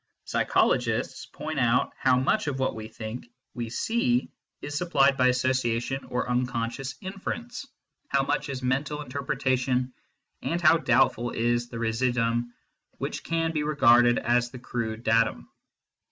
Psychologists point out how much of what we think we see is supplied by association CONSTITUENTS OF MATTER 127 or unconscious inference, how much is mental inter pretation, and how doubtful is the residuum which can be regarded as crude datum.